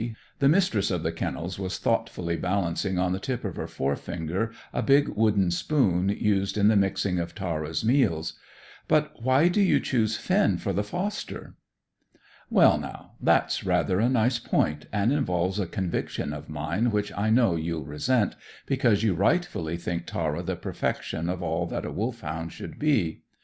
The Mistress of the Kennels was thoughtfully balancing on the tip of her fore finger a big wooden spoon, used in the mixing of Tara's meals. "But why do you choose Finn for the foster?" "Well, now, that's rather a nice point, and involves a conviction of mine which I know you'll resent, because you rightly think Tara the perfection of all that a Wolfhound should be.